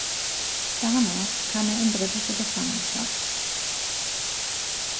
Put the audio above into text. Danach kam er in britische Gefangenschaft.